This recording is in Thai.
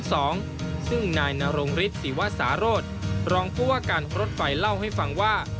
ซึ่งนายนรงฤทธิวสารสรองผู้ว่าการรถไฟเล่าให้ฟังว่า